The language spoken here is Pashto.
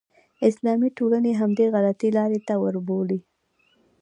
اسلامي ټولنې همدې غلطې لارې ته وربولي.